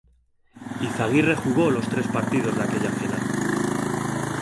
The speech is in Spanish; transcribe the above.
Izaguirre jugó los tres partidos de aquella final.